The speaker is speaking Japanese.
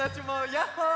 ヤッホー！